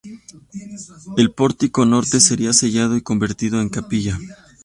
El pórtico norte sería sellado y convertido en capilla.